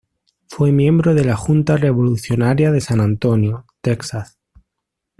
Fue miembro de la junta revolucionaria de San Antonio, Texas.